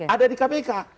ada di kpk